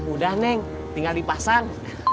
udah neng tinggal dipasang